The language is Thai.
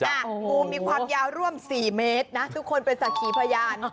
งูมีความยาวร่วมสี่เมตรนะทุกคนเป็นสักขีพยาน